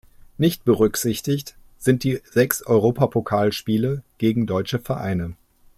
Nicht berücksichtigt sind die sechs Europapokalspiele gegen deutsche Vereine.